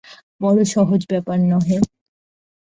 বড়ো সহজ ব্যাপার নহে।